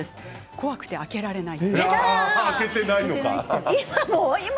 怖くて開けられない。